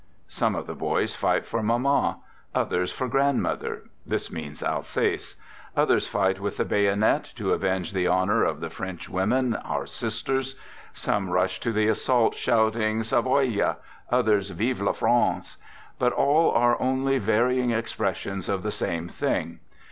Some of the boys fight for Mamma; others for grandmother (this means Alsace) ; others fight, with the bayonet, to avenge the honor of the " French women, our sisters." Some rush to the assault shouting "Savoia"; others "Vive la France!" But all are only varying expressions of the same thing.